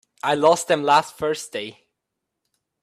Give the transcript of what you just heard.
I lost them last Thursday.